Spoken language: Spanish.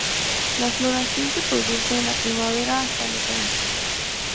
La floración se produce en la primavera hasta el otoño.